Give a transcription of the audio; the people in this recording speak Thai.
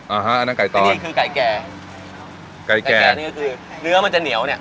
อ่าฮะอันนั้นไก่ต่ออันนี้คือไก่แก่ไก่แก่นี่ก็คือเนื้อมันจะเหนียวเนี้ย